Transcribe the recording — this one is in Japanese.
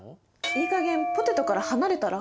いいかげんポテトから離れたら？